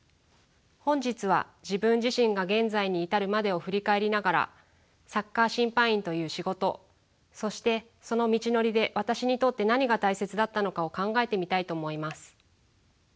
本日は自分自身が現在に至るまでを振り返りながらサッカー審判員という仕事そしてその道のりで私にとって何が大切だったのかを考えてみたいと思います。